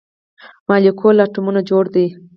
مالیکول له اتومونو جوړ دی